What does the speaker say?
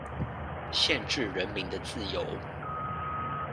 限制人民的自由